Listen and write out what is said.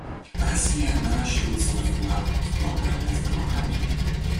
Россия наращивает свой вклад в глобальное здравоохранение.